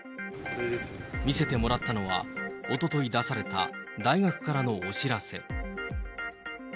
見せてもらったのは、おととい出された大学からのお知らせ。